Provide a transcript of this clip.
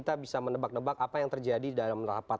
dan juga mengambil pelayan afic center sayang sayang terdua terlepas